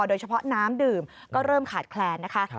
โดยเฉพาะน้ำดื่มก็เริ่มขาดแคลนนะคะ